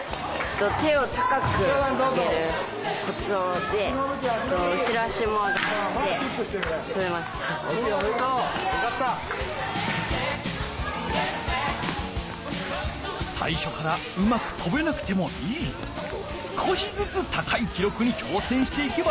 さいしょからうまくとべなくてもいい。